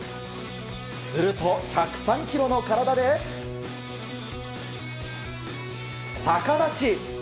すると１０３ｋｇの体で逆立ち！